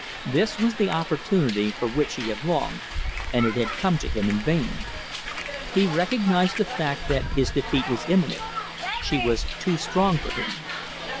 This was the opportunity for which he had longed, and it had come to him in vain. He recognized the fact that his defeat was imminent. She was too strong for him.